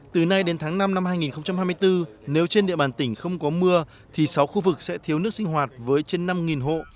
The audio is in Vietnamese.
từ nay đến tháng năm năm hai nghìn hai mươi bốn nếu trên địa bàn tỉnh không có mưa thì sáu khu vực sẽ thiếu nước sinh hoạt với trên năm hộ